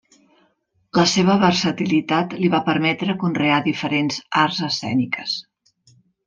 La seva versatilitat li va permetre conrear diferents arts escèniques.